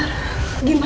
terima kasih dokter